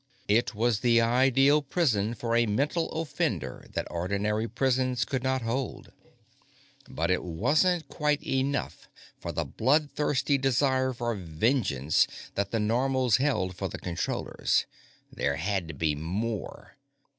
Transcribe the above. It was the ideal prison for a mental offender that ordinary prisons could not hold. But it wasn't quite enough for the bloodthirsty desire for vengeance that the Normals held for the Controllers. There had to be more.